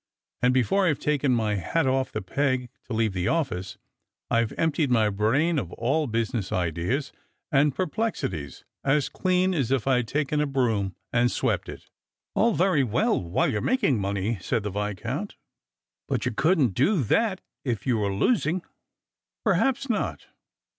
And before I've taken my hat off the peg to leave the office, I've emptied my brain of all business ideas and perplexities as clean as if I'd taken a broom and swept it." " All very wellwbile you're making money," said the Viscount. " but you couldn't do that if you were losing." " Perhaps not.